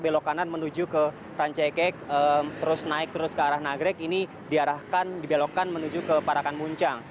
belok kanan menuju ke rancaikek terus naik terus ke arah nagrek ini diarahkan dibelokkan menuju ke parakan muncang